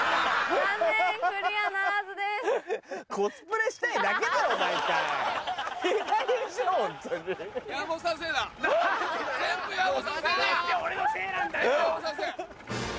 何で俺のせいなんだよ！